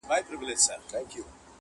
o و عسکرو تې ول ځئ زموږ له کوره,